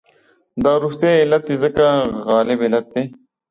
دا وروستی علت یې ځکه غالب علت دی.